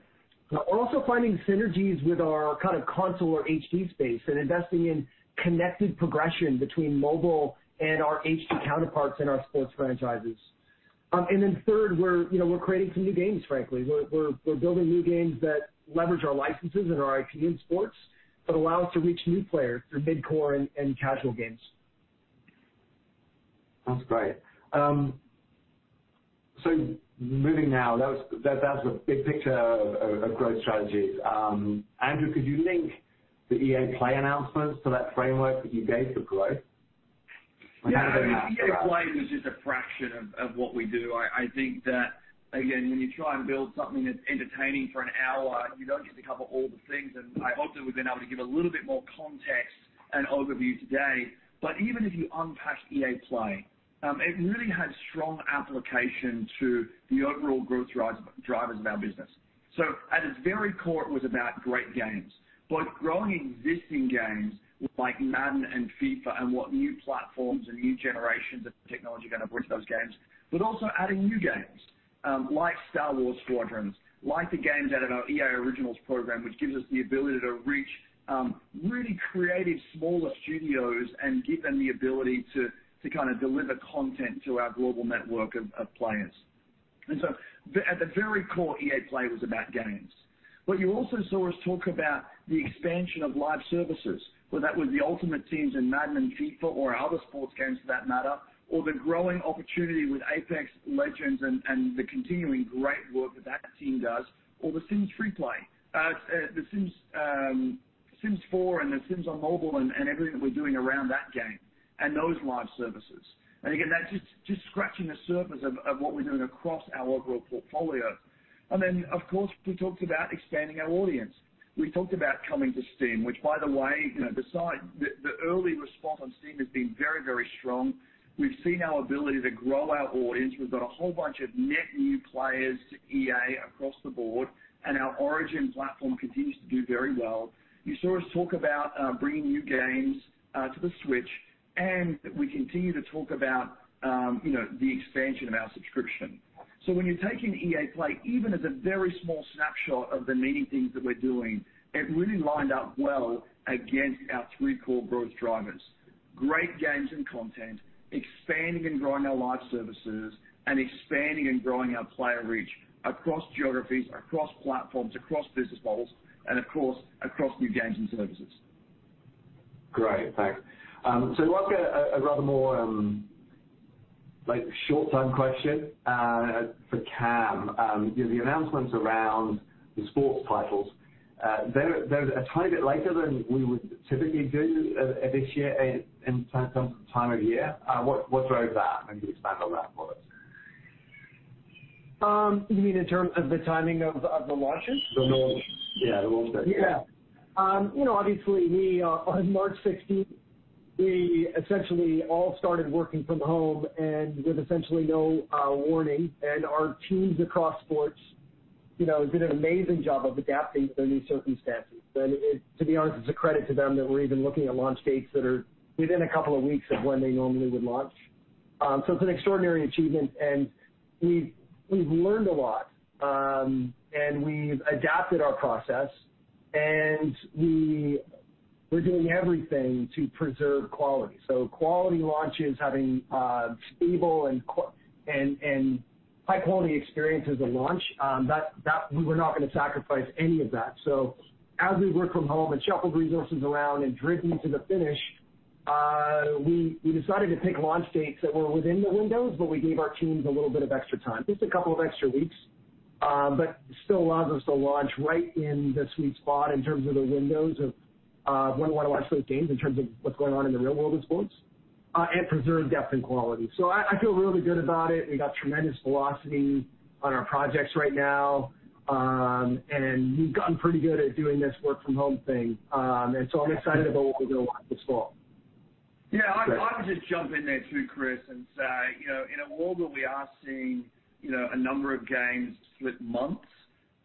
We're also finding synergies with our kind of console or HD space and investing in connected progression between mobile and our HD counterparts in our sports franchises. Third, you know, we're creating some new games, frankly. We're building new games that leverage our licenses and our IP in sports that allow us to reach new players through mid-core and casual games. That's great. Moving now, that was the big picture of growth strategies. Andrew, could you link the EA Play announcements to that framework that you gave for growth? Yeah. I mean, EA Play was just a fraction of what we do. I think that, again, when you try and build something that's entertaining for an hour, you don't get to cover all the things. I hope that we've been able to give a little bit more context and overview today. Even if you unpack EA Play, it really had strong application to the overall growth drivers of our business. At its very core, it was about great games, both growing existing games like Madden and FIFA and what new platforms and new generations of technology are gonna bring to those games, but also adding new games, like Star Wars Squadrons, like the games out of our EA Originals program, which gives us the ability to reach really creative smaller studios and give them the ability to kind of deliver content to our global network of players. At the very core, EA Play was about games. You also saw us talk about the expansion of live services, whether that was the Ultimate Teams in Madden and FIFA or other sports games for that matter, or the growing opportunity with Apex Legends and the continuing great work that team does, or The Sims FreePlay. The Sims 4 and The Sims on mobile and everything that we're doing around that game and those live services. Again, that's just scratching the surface of what we're doing across our overall portfolio. Then, of course, we talked about expanding our audience. We talked about coming to Steam, which by the way, you know, the early response on Steam has been very strong. We've seen our ability to grow our audience. We've got a whole bunch of net new players to EA across the board, and our Origin platform continues to do very well. You saw us talk about bringing new games to the Switch, and we continue to talk about, you know, the expansion of our subscription. when you're taking EA Play, even as a very small snapshot of the many things that we're doing, it really lined up well against our three core growth drivers. Great games and content, expanding and growing our live services, and expanding and growing our player reach across geographies, across platforms, across business models, and of course, across new games and services. Great. Thanks. I'd like a rather more, like short-term question, for Cam. You know, the announcements around the sports titles, they're a tiny bit later than we would typically do, this year in terms of time of year. What drove that? Maybe expand on that for us. You mean in terms of the timing of the launches? The launch. Yeah, the launch dates. Yeah. You know, obviously we on March 16th we essentially all started working from home and with essentially no warning. Our teams across sports, you know, have did an amazing job of adapting to the new circumstances. It, to be honest, it's a credit to them that we're even looking at launch dates that are within a couple of weeks of when they normally would launch. It's an extraordinary achievement, and we've learned a lot. We've adapted our process, and we're doing everything to preserve quality. Quality launches having stable and high-quality experiences at launch, that we were not gonna sacrifice any of that. As we work from home and shuffled resources around and driven to the finish, we decided to pick launch dates that were within the windows, but we gave our teams a little bit of extra time, just a couple of extra weeks. Still allows us to launch right in the sweet spot in terms of the windows of when we wanna launch those games in terms of what's going on in the real world with sports and preserve depth and quality. I feel really good about it. We got tremendous velocity on our projects right now. We've gotten pretty good at doing this work from home thing. I'm excited about what we're gonna launch this fall. Yeah. Great. I would just jump in there too, Chris, and say, you know, in a world where we are seeing, you know, a number of games split months,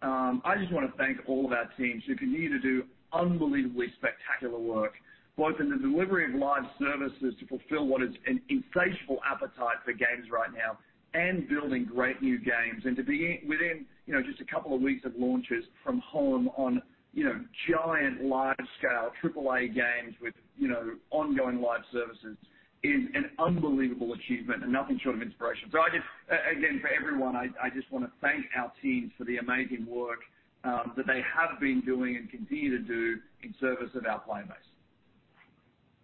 I just wanna thank all of our teams who continue to do unbelievably spectacular work, both in the delivery of live services to fulfill what is an insatiable appetite for games right now and building great new games. To be within, you know, just a couple of weeks of launches from home on, you know, giant, large scale AAA games with, you know, ongoing live services is an unbelievable achievement and nothing short of inspiration. I just again, for everyone, I just wanna thank our teams for the amazing work, that they have been doing and continue to do in service of our player base.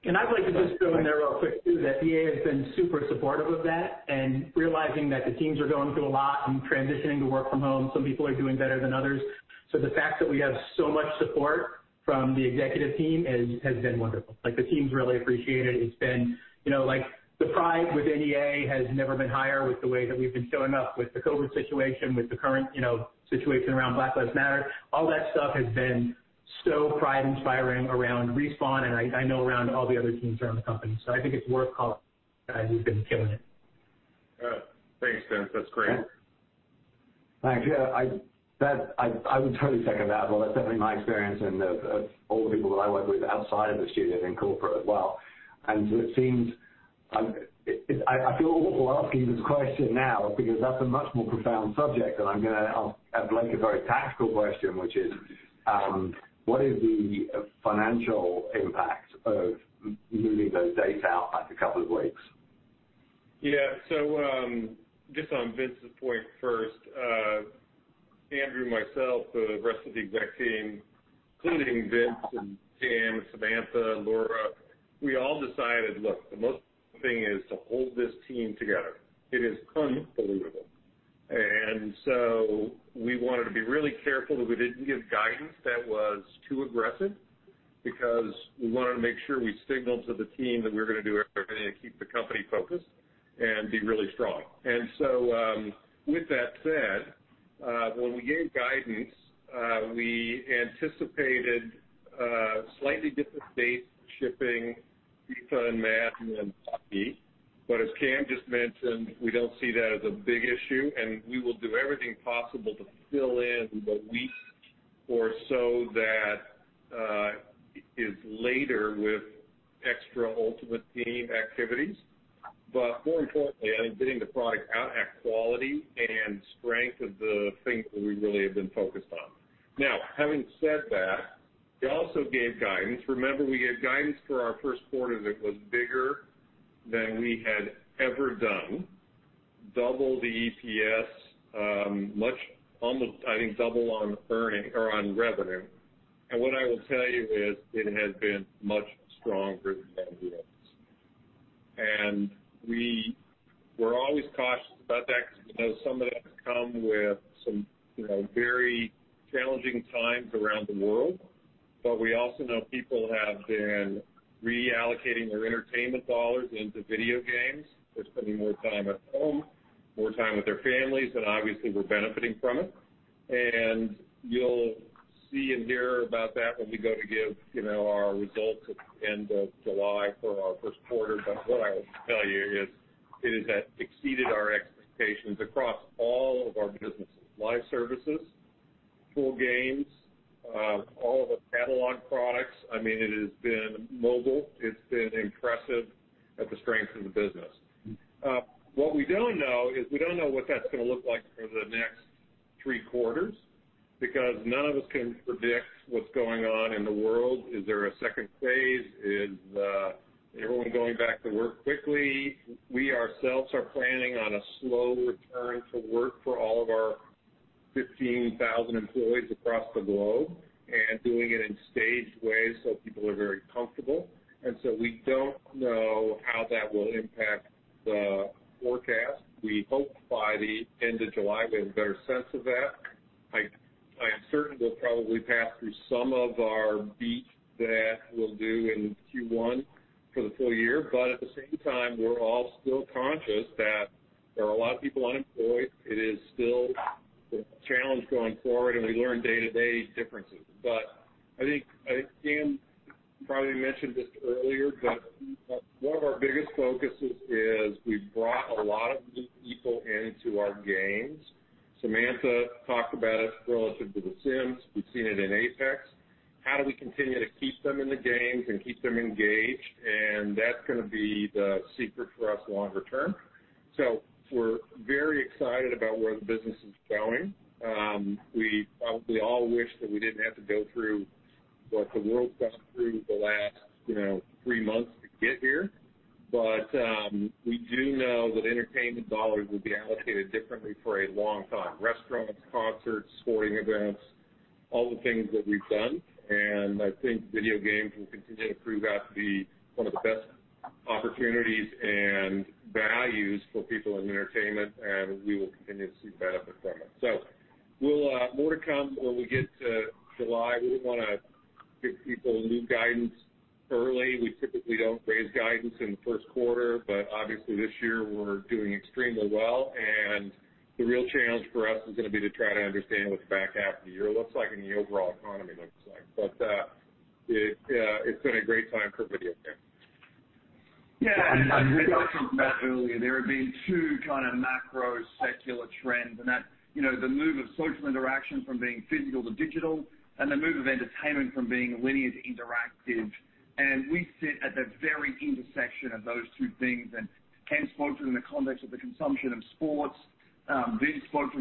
I'd like to just throw in there real quick too that EA has been super supportive of that, and realizing that the teams are going through a lot in transitioning to work from home. Some people are doing better than others. The fact that we have so much support from the executive team has been wonderful. Like, the teams really appreciate it. It's been, you know, like the pride within EA has never been higher with the way that we've been showing up with the COVID situation, with the current, you know, situation around Black Lives Matter. All that stuff has been so pride-inspiring around Respawn, and I know around all the other teams around the company. I think it's worth calling guys who've been killing it. Good. Thanks, Vince. That's great. Yeah. Thanks. Yeah, I would totally second that. Well, that's definitely my experience and of all the people that I work with outside of the studio in corporate as well. It seems I feel awful asking this question now because that's a much more profound subject, and I'm gonna ask Blake a very tactical question, which is what is the financial impact of moving those dates out by a couple of weeks? Just on Vince's point first, Andrew, myself, the rest of the exec team, including Vince and Cam, Samantha, Laura, we all decided, look, the most important thing is to hold this team together. It is unbelievable. We wanted to be really careful that we didn't give guidance that was too aggressive because we wanted to make sure we signaled to the team that we're gonna do everything to keep the company focused and be really strong. with that said, when we gave guidance, we anticipated, slightly different dates for shipping FIFA and Madden and hockey. as Cam just mentioned, we don't see that as a big issue, and we will do everything possible to fill in the week or so that, is later with extra Ultimate Team activities. more importantly, I think getting the product out at quality and strength is the thing that we really have been focused on. Now, having said that, we also gave guidance. Remember, we gave guidance for our first quarter that was bigger than we had ever done, double the EPS, much almost, I think, double on earning or on revenue. What I will tell you is it has been much stronger than we anticipated. We were always cautious about that because we know some of that has come with some, you know, very challenging times around the world. We also know people have been reallocating their entertainment dollars into video games. They're spending more time at home, more time with their families, and obviously we're benefiting from it. You'll see and hear about that when we go to give, you know, our results at the end of July for our first quarter. what I will tell you is it has exceeded our expectations across all of our businesses, live services, full games, all of the catalog products. I mean, it has been mobile. It's been impressive at the strength of the business. what we don't know is we don't know what that's gonna look like for the next three quarters because none of us can predict what's going on in the world. Is there a second phase? Is everyone going back to work quickly? We ourselves are planning on a slow return to work for all of our 15,000 employees across the globe and doing it in staged ways so people are very comfortable. we don't know how that will impact the forecast. We hope by the end of July we have a better sense of that. We certainly will probably pass through some of our beat that we'll do in Q1 for the full year. At the same time, we're all still conscious that there are a lot of people unemployed. It is still a challenge going forward, and we learn day-to-day differences. I think Cam probably mentioned this earlier, but one of our biggest focuses is we've brought a lot of new people into our games. Samantha talked about it relative to The Sims. We've seen it in Apex. How do we continue to keep them in the games and keep them engaged? That's gonna be the secret for us longer term. We're very excited about where the business is going. We all wish that we didn't have to go through what the world's gone through the last, you know, three months to get here. We do know that entertainment dollars will be allocated differently for a long time. Restaurants, concerts, sporting events, all the things that we've done. I think video games will continue to prove out to be one of the best opportunities and values for people in entertainment, and we will continue to see benefit from it. More to come when we get to July. We didn't wanna give people new guidance early. We typically don't raise guidance in the first quarter. Obviously, this year we're doing extremely well, and the real challenge for us is gonna be to try to understand what the back half of the year looks like and the overall economy looks like. It's been a great time for video games. Yeah. I did talk about earlier, there have been two kinda macro secular trends and that, you know, the move of social interaction from being physical to digital and the move of entertainment from being linear to interactive. We sit at the very intersection of those two things. Cam spoke to it in the context of the consumption of sports. Vince spoke, you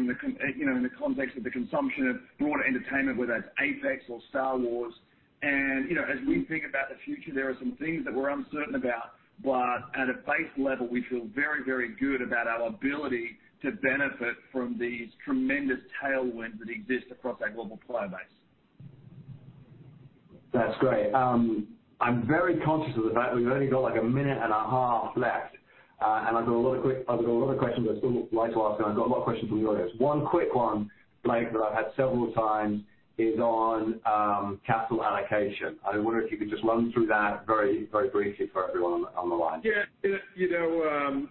know, in the context of the consumption of broader entertainment, whether that's Apex or Star Wars. You know, as we think about the future, there are some things that we're uncertain about. At a base level, we feel very, very good about our ability to benefit from these tremendous tailwinds that exist across our global player base. That's great. I'm very conscious of the fact that we've only got like a minute and a half left. I've got a lot of questions I'd still like to ask, and I've got a lot of questions from the audience. One quick one, Blake, that I've had several times is on capital allocation. I wonder if you could just run through that very, very briefly for everyone on the line. Yeah. You know,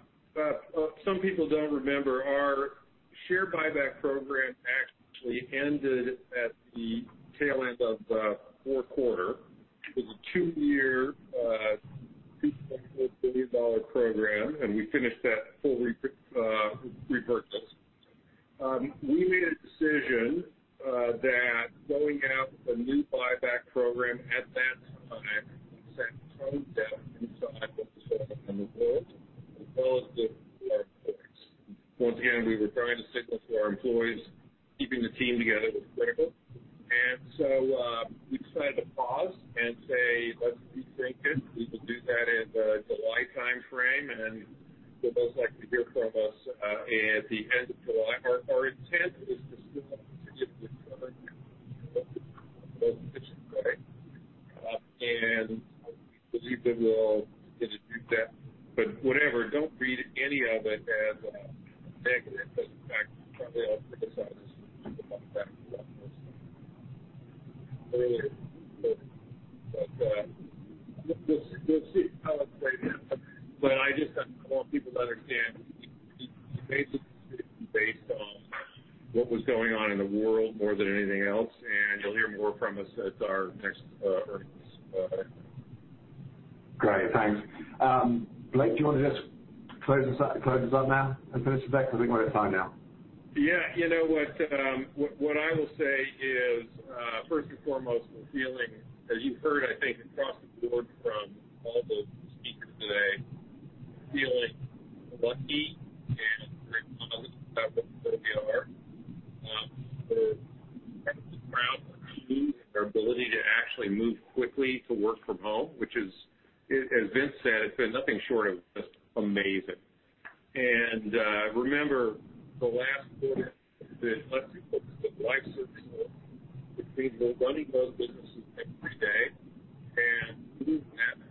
some people don't remember, our share buyback program actually ended at the tail end of Q4. It was a two-year $2.4 billion program, and we finished that fully, we birthed this. Reverted. We made a decision that going out with a new buyback program at that time sent tone deaf inside what was going on in the world as well as with our employees. Once again, we were trying to signal to our employees keeping the team together was critical. We decided to pause and say, "Let's rethink it." We will do that in the July timeframe, and you'll most likely hear from us at the end of July. Our intent is to still initiate and introduce that. But whatever, don't read any of it as negative because in fact, probably I'll emphasize this earlier. we'll see how it plays out. I just want people to understand we made the decision based on what was going on in the world more than anything else, and you'll hear more from us at our next earnings Great. Thanks. Blake, do you wanna just close this up now and finish this back? Because I think we're at time now. Yeah. You know what I will say is, first and foremost, we're feeling, as you've heard, I think, across the board from all the speakers today, feeling lucky and very humbled about what we are. We're incredibly proud of our team and our ability to actually move quickly to work from home, which is, as Vince said, it's been nothing short of just amazing. Remember the last quarter that less people took live service work between running those businesses every day and doing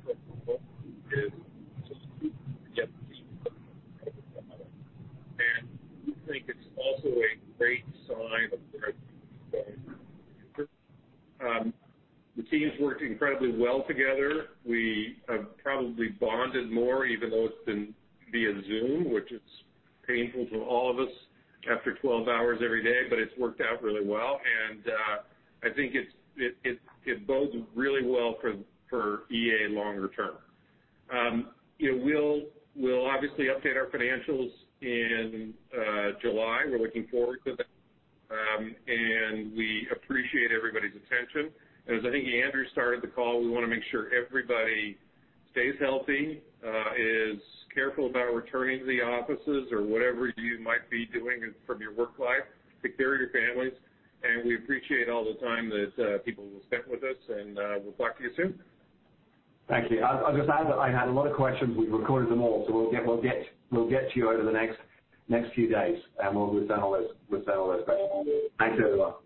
that is just. We think it's also a great sign of where. The team's worked incredibly well together. We have probably bonded more, even though it's been via Zoom, which is painful to all of us after 12 hours every day, but it's worked out really well. I think it bodes really well for EA longer term. You know, we'll obviously update our financials in July. We're looking forward to that. We appreciate everybody's attention. As I think Andrew started the call, we wanna make sure everybody stays healthy, is careful about returning to the offices or whatever you might be doing from your work life. Take care of your families. We appreciate all the time that people have spent with us, and we'll talk to you soon. Thank you. I'll just add that I had a lot of questions. We've recorded them all, so we'll get to you over the next few days, and we'll send all those questions. Thanks, everyone.